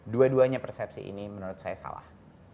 dua duanya persepsi ini menurut saya salah